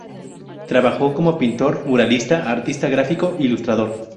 Trabajó como pintor, muralista, artista gráfico, ilustrador.